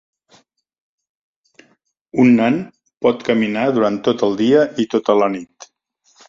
Un nan pot caminar duran tot el dia i tota la nit.